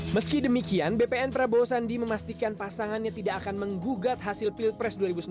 meski demikian bpn prabowo sandi memastikan pasangannya tidak akan menggugat hasil pilihan